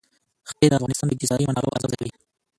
ښتې د افغانستان د اقتصادي منابعو ارزښت زیاتوي.